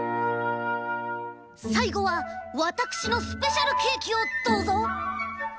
さいごはわたくしのスペシャルケーキをどうぞ。